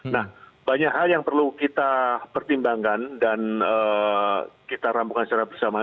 nah banyak hal yang perlu kita pertimbangkan dan kita rampungkan secara bersama